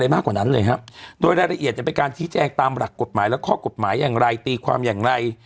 รายละเอียดจะเป็นการชี้แจงตามหลักกฎหมายและข้อกฎหมายอย่างไรตีความอย่างไร